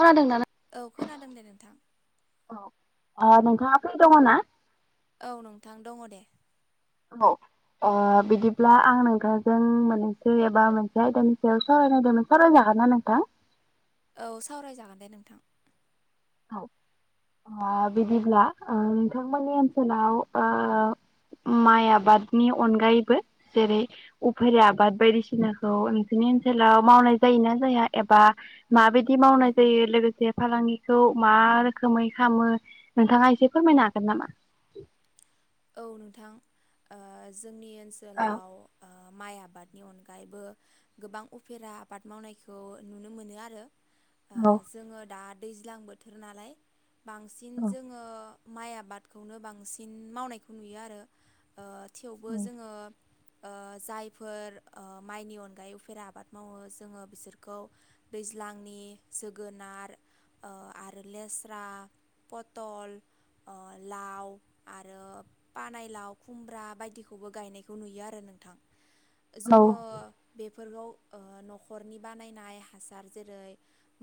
खोनादों औ नों खोनादों दे नोंथां औ ओ नोंथाङा फ्रि दङ' ना औ नोंथां दङ' दे। [unintelligible] ओ बिदिब्ला आं नोंथांजों मोन्नैसो एबा मोनसे आयदानि सायाव सावरायनायदोंमोन सावरायनो [unintelligible] नोंथां औ सावरायजागोन दे नोंथां औ ओ बिदिब्ला ओ नोंथांमोननि ओनसोलाव ओ माइ आबादनि अनगायैबो जेरै उफेरे आबाद बायदिसिनाखौ नोंसिनि ओनसोलाव मावनाय जायोना जाया एबा माबायदि मावनाय जायो लोगोसे फालांगि खौ मा रोखोमै खामो नोंथाङा एसे फोरमायनो हागोन नामा? औ नोंथां, ओ जोंनि औ ओनसोलाव ओ माइ आबादनि अनगायैबो गोबां उफेरा आबाद मावनायखौ नुनो मोनो आरो ओ औ जोङो दा दैज्लां बोथोर नालाय बांसिन जोङो माइ आबादखौनो बांसिन मावनायखौ नुयो आरो ओ थेवबो जोङो ओ जायफोर ओ माइनि अनगायै उफेरा आबाद मावो जोङो बिसोरखौ दैज्लांनि जोगोनार ओ आरो लेस्रा, पतल ओ लाव आरो पानायलाव, खुमब्रा बायदिखौबो गायनायखौ नुयो आरो नोंथां। औ जोङो बे फोरखौ ओ न'खरनि बानायनाय हासार जेरै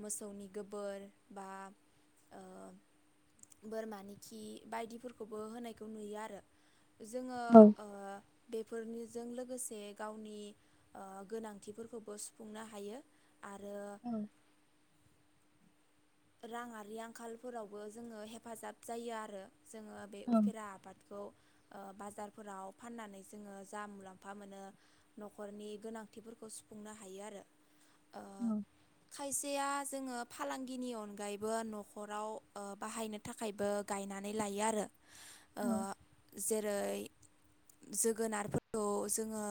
मोसौनि गोबोर बा ओ बोरमानि खि बायदिफोरखौबो होनायखौ नुयो आ रो जोङो औ ओ बेफोरनि जों लोगोसे गावनि ओ गोनांथिफोरखौबो सुफुंनो हायो। आरो औ राङारि आंखालफोरावबो जोङो हेफाजाब जायो आरो। जोङो बे उफेरा आबादखौ ओ बाजारफोराव फाननानै जोङो जा मुलाम्फा मोनो न'खरनि गोनांथिफोर खौ सुफुंनो हायो आरो। ओ [unintelligible] खायसेया जोङो फालांगिनि अन गायैबो न'खराव ओ बाहायनो थाखायबो गायनानै लायो आरो ओ औ जेरै जोगोनारफोरखौ जोङो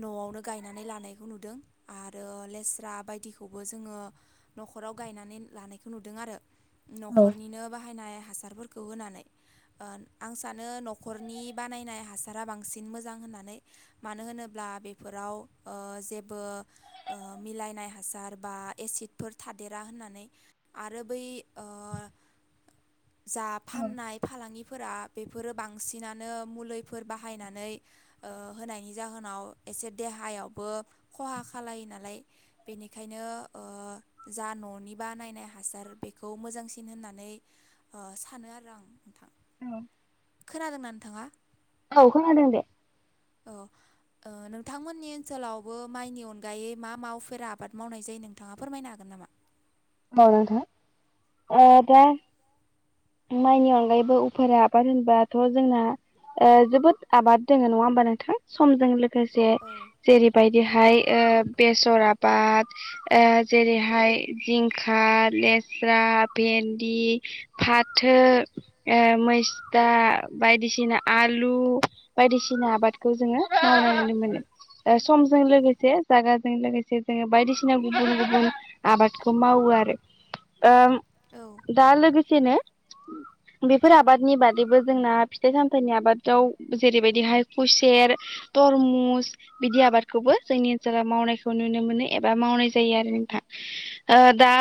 न'आवनो गायनानै लानायखौ नुदों आरो लेस्रा बायदिखौबो जोङो न'खराव गायनानै लानाय खौ नुदों आरो औ न'खरनिनो बाहायनाय हास ‌ सारफोरखौ होनानै। ओ आं सानो न'खरनि बानायनाय हासारा बांसिन मोजां होनना नै मानो होनोब्ला बेफोराव ओ जेबो ओ मिलायनाय हासार बा एसिडफोर थादेरा होननानै आरो बै ओ जा फाननाय फालांगि फोरा बेफोरो बांसिनानो मुलैफोर बाहायनानै ओ होनायनि जाहोनाव एसे देहायावबो खहा खालायो नालाय बेनिखायनो ओ जा न' नि बानायनाय हासार बेखौ मोजांसिन होननानै ओ सानो आरो आं नोंथां। [unintelligible] खोनादों ना नोंथाङा? औ खोनादों दे। [inaudible] ओ नोंथांमोननि ओनसोलावबो माइनि अनगायै मा मा उफेरा आबाद मावनाय जायो नोंथाङा फोरमायनो हागोन ना मा? मा नोंथां? अ दा माइनि अनगायैबो उफ्रा आबाद होनबाथ' जोंना ओ जोबोद आबाद दोङो नङा होमबा नोंथां समजों लोगोसे औ जेरैबाय दिहाय ओ बेसर आबाद ओ जेरैहाय जिंखा, ले स्रा, भेन्दि फाथो ओ मैस्था बायदिसिना आलु बायदिसि ना आबादखौ जोङो मावनाय नुनो मोनो। ओ समजों लोगोसे जागाजों लोगोसे जोङो बायदिसिना गुबुन गुबुन आबादखौ मावो रो ओम औ दा लोगोसेनो [inaudible] बेफोर आबादनि बादैबो जोंना फिथाइ सामथाइनि आबादाव जेरैबायदिहाय खुसेर तरमुस बिदि आबादखौबो जोंनि ओनसोलाव मावनायखौ नुनो मोनो एबा मावनाय जायो आरो नोंथां। ओ दा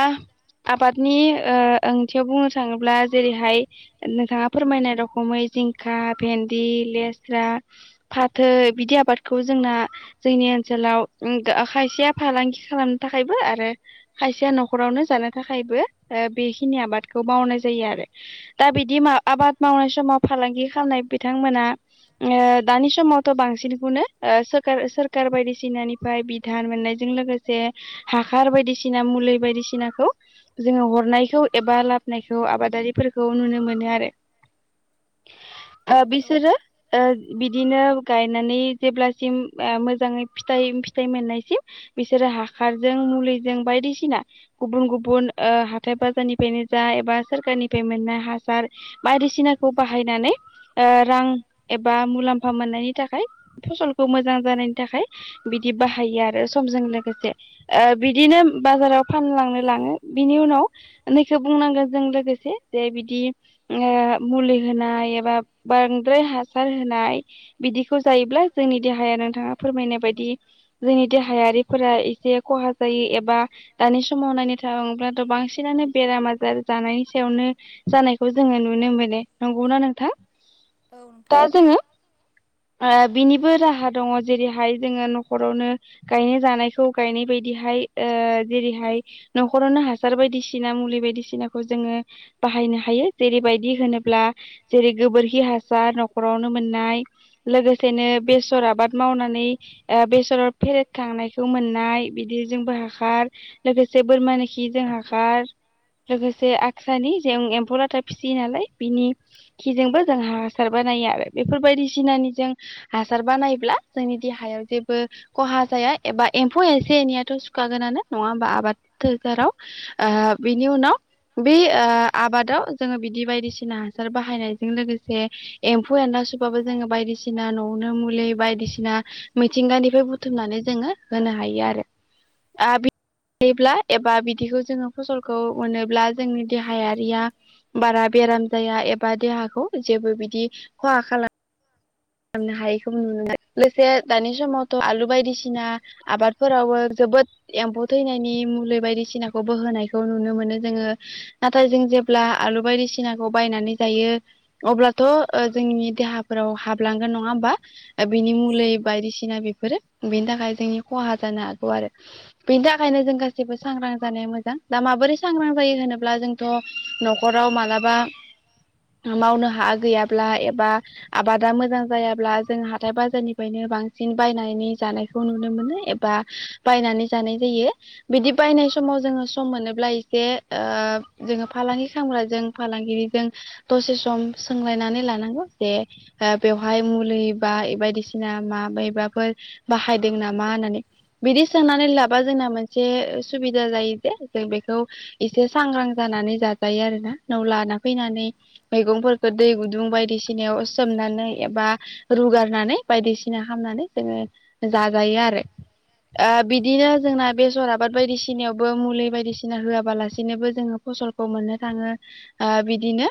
आबादनि ओ ओंथियाव बुंनो थाङोब्ला जेरैहाय नोंथाङा फोरमायनाय रखमै जिंखा, भेन्दि, लेस्रा फाथो बिदि आबादखौ जोंना जोंनि ओनसोलाव ओ खायसेया फालांगि खालामनो थाखायबो आरो खायसेया नखरावनो जानो थाखायबो ओ बेखिनि आबाद खौ मावनाय जायो आरो दा बिदि आबाद मावनाय समाव फालांगि खालामनाय बिथां मोना ओ दानि समावथ' बांसिन खौनो ओ सोरखार सोरखार बायदि सिनानिफ्राय बिधान मोननाय जों लोगोसे हाखार बायदिसिना मुलि बायदि सिनाखौ जोङो हरनायखौ एबा लाब -बोनायखौ आबादारि फोरखौ नुनो मोनो आरो। ओ औ बिसोरो आ बिदिनो गायनानै जेब्ला सिम ओ मोजाङै फिथाइ फिथाइ मोननायसे बिसोरो हाखारजों मुलिजों बायदि सिना गुबुन गुबुन आ हाथाय बाजारनि फायनो जा एबा सोरखार निफ्राय मोननाय हासार बायदि सिनाखौ बाहायनानै आ रां एबा मुलाम्फा मोननायनि थाखाय फसलखौ मोजां जानायनि थाखाय बिदि बाहायो आरो सम जों लोगोसे आ बिदिनो बाजाराव फानलांनो लाङो बिनि उनाव सो बुंनांगोन जों लोगोसे जे बिदि ओ मुलि होनाय एबा बांद्राय हासार होनाय बिदिखौ जायोब्ला जोंनि देहाया नोंथाङा फोरमायनाय बायदि जोंनि देहायारि फोरा एसे खहा जायो एबा दानि समाव नायनो थाङो बाथ' बांसिनानो बेराम आजार जानायनि सायावनो जानायखौ जोङो नुनो मोनो नंगौना नोंथां? औ नोंथां दा जोङो [inaudible] आ बिनिबो राहा दङ जेरै हाय जोङो नख' रावनो गायनाय जानायखौ गायनाय बायदि हाय ओ जेरै हाय नखरावनो हासार बायदिसि ना मुलि बायदि सिनाखौ जोङो बाहायनो हायो जेरै बायदि होनोब्ला जेरै गोबोरखि हा सार नखरावनो मोननाय लोगोसेनो बे सोर आबाद मावनानै ओ बेसर फेरेद खांनायखौ मोननाय बिदि जोंबो हा खार लोगोसे बोरमानि खि जों हाखार [inaudible] लोगोसे [unintelligible] जों एम्फौ लाथा फिसियो नालाय बिनि खिजों बो जों हासार बानायो। बेफोर बायदि सिनानि जों हासार बानायब्ला जोंनि देहायाव जेबो खहा जाया। एबा एम्फौ एसे एनैयाथ सुखा गोनानो नङा होमबा आबाद फोथाराव ओ बेनि उनाव बे आ आबादाव जोङो बिदि बायदि सिना हासार बाहायनायजों लोगोसे एम्फौ एनला सुबाबो जो बायदि सिना नवावनो मुलि बायदि सिना मिथिंगा निफ्राय बुथुमनानै जोङो हो नो हायो आरो आ बिदिब्ला एबा बिदिखौ जोङो फसलखौ मोनोब्ला जोंनि देहाया रिया बारा बेराम जाया एबा देहाखौ जेबो बिदि खहा खालाम हायिखौ नुनो लोगोसे दानि समाव थ आलु बायदि सिना आबाद फोरावबो जोबोद एम्फौ थैनायनि मुलि बायदिसिनाखौ बो हो होनायखौ नुनो मोनो। जोङो नाथाय जों जेब्ला आलु बायदिसिनाखौ बायनानै जायो अब्लाथ ओ जों नि देहा फोराव हाब लांगोन नङा होमबा ओ बेनि औ मुलै बायदिसिना बे फोरो बेनि थाखाय जोंनि खहा जानो हागौ आरो बेनि थाखायनो जों गासिबो सांग्रां जानाया मोजां। दा माबोरै सांग्रां जायो होनोब्ला जोंथ न'खराव मालाबा मावनो हा गैयाब्ला एबा आबाद दा मोजां जायाब्ला जों हाथाय बाजार निफ्रायनो बांसिन बायनानै जानायखौ नुनो मोनो एबा बायनानै जानाय जायो बिदि बायनाय समाव जोङो सम मोनोब्ला एसे ओ जोङो फालांगि खालामग्राजों फालां गिरिजों दसे सम सों लायनानै लानांगौ जे ओ बेवहाय मुलि बा बायदि सिना मा बेबाफोर बाहायदों नामा होननानै। बिदि सोंनानै लाबा जोंना मोनसे सुबिदा जायो जे जों बेखौ एसे सांग्रां जाना नानै जाजायो आरोना नआव लाना फैनानै मैगं फोरखौ दै गुदुं बायदि सिनायाव सोमनानै एबा रुगारनानै बायदिसिना खालामनानै जोङो जाजायो आरो। ओ बिदिनो जोंना बेजरा बाद बायदिसि सानायावबो मुलि बायदिसिना होयाबालासिनोबो जोङो फसलखौ मोननो थाङो ओ बिदिनो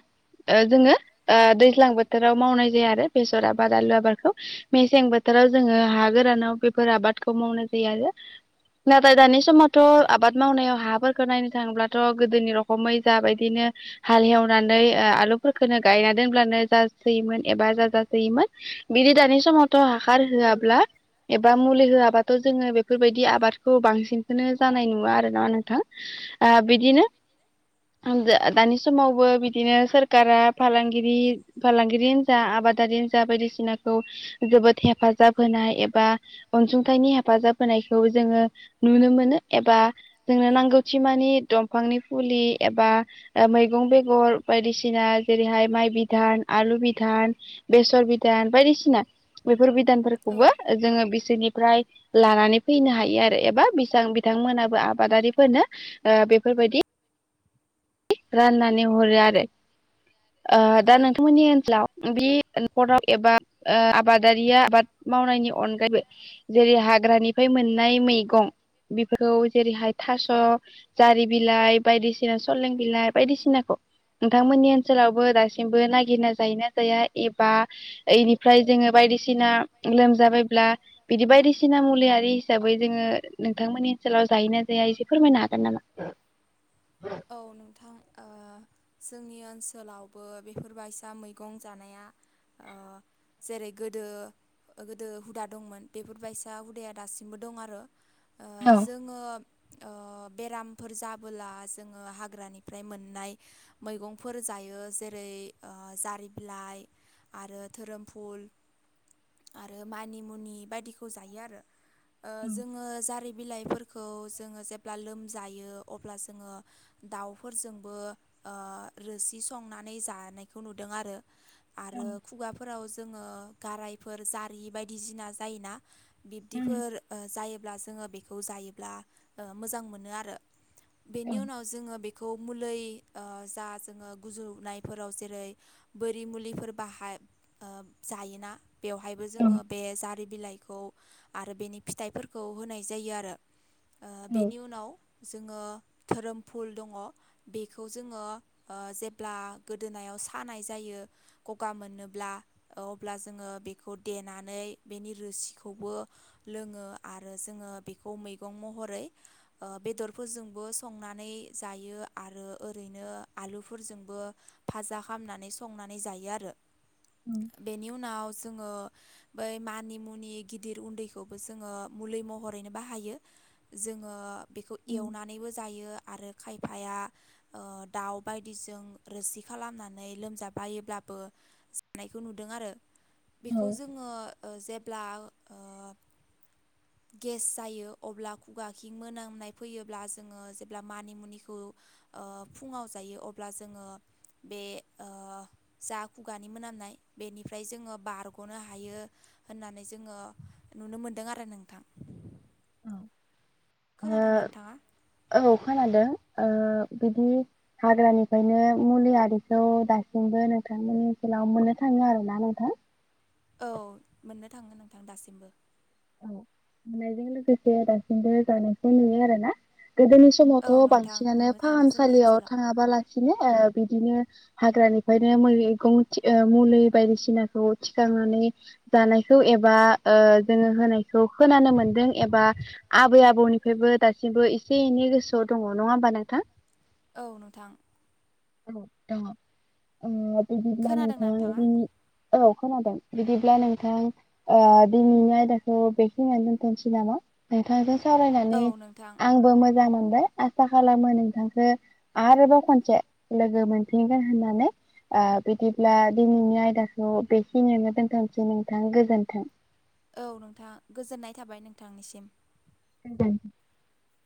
ओ जोङो ओ दैज्लां बोथोराव मावनाय जाया आरो बेसर आबाद आलु आबादखौ मेसें बोथोराव जोङो हा गोरानाव बेफोर आबादखौ मावनाय जायो आरो नाथाय दानि समावथ आबाद मावनायाव हाफोरखौ नायनो थाङोब्लाथ गोदोनि रखमै जाबायदिनो हालेवनानै ओ आलुफोरखौनो गायना दोनब्लानो जा सोयोमोन एबा जाजासोयोमोन बिदि दानि समावथ' हाखार होयाब्ला एबा मुलि होयाबाथ' जोङो बेफोरबायदि आबादखौ बांसिनखोनो जानाय नुवा आरो ना नोंथां आ बिदिनो आं दा दानि समावबो बिदिनो सरखारा फालांगिरि फालांगिरियानो जा आबादारियानो जा बायदिसिनाखौ जोबोद हेफाजाब होनाय एबा अनसुंथाइनि हेफाजाब होनायखौ जोङो नुनो मोनो एबा जोंनो औ नांगौथि मानि दब फांनि फुलि एबा ओ मैगं बेगर बायदिसिना जेरैहाय माइ बिधान आलु बिधान बेसर बिधान बायदिसिना बेफोर बिधानफोरखौबो औ जोङो सोरनिफ्राय लानानै फैनो हायो आरो एबा बिथां बिथांमोनाबो आबादारिफोरनो ओ बेफोरबायदि राननानै हरो आरो ओ दा औ नोंथांमोननि ओनसोलाव बे नखराव एबा ओ आबादारिया आबाद मावनायनि अनगायैबो जेरैहाय ग्रानिफाय मोन नाय मैगं बिफोरखौ जेरैहाय थास जारि बिलाइ बायदिसिना सलें बिलाइ बायदिसिनाखौ नोंथांमोननि सोलावबो दासिमबो नागिरना जायोना जाया एबा इनिफ्राय जोङो बायदिसिना लोमजाबायब्ला बिदि बायदिसिना मुलियारि हिसाबै जोङो नोंथांमोननि ओनसोलाव जायो ना जाया एसे फोरमायनो हागोन नामा औ थां जोंनि ओनसोलाव बो बेफोर बायसा मैगं जानाया ओ जेरै गोदो गोदो हुदा दंमोन बेफोरबायसा हुदाया दासिमबो दं आरो ओ औ जोङो ओ बेरामफोर जाबोला जोङो हाग्रानिफ्राय मोननाय मैगंफोर जाय यो जेरै जारि बिलाइ आरो धोरोमफुल आरो मानिमुनि बायदिखौ जायो आरो ओ जोङो जारि बिलाइफोरखौ जोङो जेब्ला लोमजायो अब्ला जोङो दाउफोरजोंबो ओ रोसि संनानै जानायखौ नुदों आरो आरो खुगाफोराव जोङो गारायफोर जारि बायदिसिना जायोना औ बिब्दिफोर ओ जायो ब्ला जोङो बेखौ जायोब्ला ओ मोजां मोनो आरो बेनि औ उनाव जोङो खौ मुलै ओ जा जोङो गुजुनाय फोराव जेरै बेरि मुलि बाहा ओ जायोना बेहायबो औ जोङो बे बे जारि बिलाइखौ आरो बेनि फिथाइफोरखौ होनाय जायो आरो ओ औ बेनि उनाव जोङो धोरोम फुल दङ बेखौ जोङो ओ जेब्ला गोदोनायाव सानाय जायो गगा मोनोब्ला अब्ला जोङो बेखौ देनानै बेनि रोसिखौबो लोङो आरो जोङो बेखौ मैगं महरै ओ बेदरफोरजोंबो संनानै जायो आरो ओरैनो आलुफोरजोंबो भाजा खालामनानै संनानै जायो आरो ओ बेनि उनाव जोङो बै मानि मुनि गिदिर उन्दैखौबो जोङो मुलि महरैनो बाहायो। जोङो बेखौ एवनानैबो जायो आरो खायफाया ओ दाउ बायदिजों रोसि खालामनानै लोमजाबायोब्लाबो जानायखौ नुदों आरो बेखौ जोङो ओ जेब्ला ओ गेस जायो अब्ला खुगाखिं मोनामनाय फैयोब्ला जोङो जेब्ला मानिमुनिखौ ओ फुङाव जायो अब्ला जोङो बे ओ जा खुगानि मोनामनाय बेनिफ्राय जोङो बारग'नो हायो‌ होननानै जोङो नुनो मोनदों आरो नोंथां। ओ खोनादोंना नोंथाङा? ओ औ खोनादों। ओ बिदि हाग्रानिफ्रायनो मुलि आरिखौ दासिमबो नोंथांमोननि मोननो थाङो आरोना नोंथां? औ मोननो थाङो नोंथां दासिमबो। औ मोननायजों लोगोसे दासिमबो जानायखौ नुयो आरो ना? गोदोनि औ समावथ' नोंथां बांसिनानो नुनो थाङो जोंनि फाहामसालियाव ओनसोलाव थाङाबालासिनो ओ बिदिनो हाग्रानिफ्रायनो मैगं थि ओ मुलि बायदिसिनाखौ थिखांनानै नै जानायखौ एबा ओ जोङो होनायखौ खोनानो मोनदों एबा आबै आबौनिफ्रायबो दासिमबो एसे एनै गोसोआव दङ नङा होमबा नोंथा? औ नोंथां। औ दङ ओ बिदिब्ला खोनादोंना नोंथां नोंथाङा? दिनै औ खोनादों बिदिब्ला नोंथां ओ दिनैनि आय दाखौ बेखिनियावनो दोनथ'नोसै नामा? नोंथांजों औ सावरायनानै नोंथां आंबो मोजां मोन बाय आसा खालामो नोंथांखौ आरोबाव खनसे लोगो मोनफिनगोन होननानै। ओ बिदिब्ला दिनैनि आयदाखौ बेखिनियावनो दोनथ'नोसै नोंथां गोजोन्थों। औ नोंथां गोजोननाय थाबाय नोंथांनिसिम। [inaudible]